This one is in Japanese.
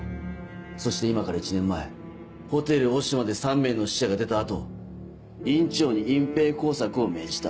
そして今から１年前ホテルオシマで３名の死者が出た後院長に隠蔽工作を命じた。